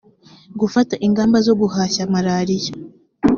gufata ingamba zo guhashya malaria